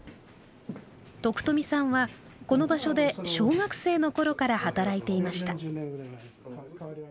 徳富さんはこの場所で小学生の頃から働いていました。